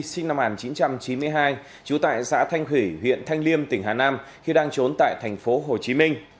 sinh năm một nghìn chín trăm chín mươi hai trú tại xã thanh hủy huyện thanh liêm tỉnh hà nam khi đang trốn tại tp hcm